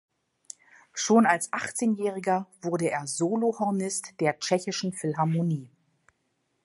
Schon als Achtzehnjähriger wurde er Solohornist der Tschechischen Philharmonie.